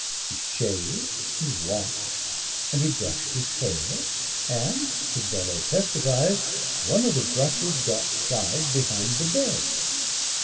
He shaved and washed and he brushed his hair, and, his valet testifies, one of the brushes got "shied" behind the bed.